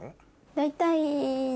大体。